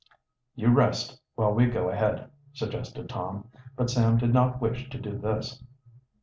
"You rest while we go ahead," suggested Tom, but Sam did not wish to do this.